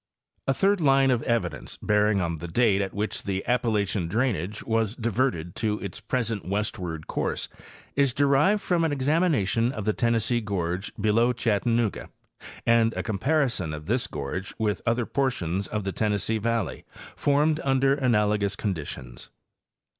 —A third line of evidence bearing on the date at which the Appa lachian drainage was diverted to its present westward course is derived from an examination of the Tennessee gorge below Chat tanooga and a comparison of this gorge with other portions of the Tennessee valley formed under analogous conditions.